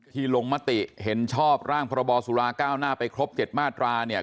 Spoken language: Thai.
ลงมติเห็นชอบร่างพรบสุราก้าวหน้าไปครบ๗มาตราเนี่ย